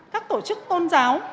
các tổ chức tôn giáo